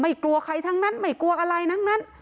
กลัวใครทั้งนั้นไม่กลัวอะไรทั้งนั้น